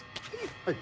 はい。